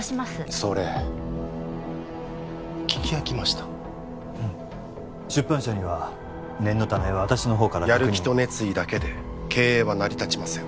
それ聞き飽きました出版社には念のため私の方からやる気と熱意だけで経営は成り立ちません